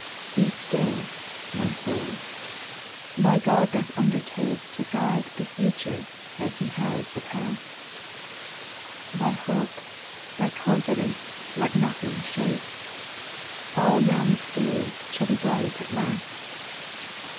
2. Be still, my soul ! thy God doth undertake To guide the future, as He has the past : Thy hope, thy confidence, let nothing shake, All now mysterious shall be bright at last.